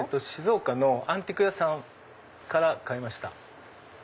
静岡のアンティーク屋さんから買いました。